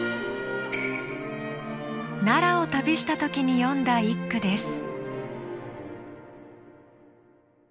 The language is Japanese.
奈良を旅した時に詠んだ一句です。